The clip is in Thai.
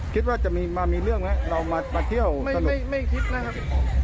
คิดว่าจะมีมามีเรื่องแล้วเรามาเที่ยวไม่ไม่คิดนะครับ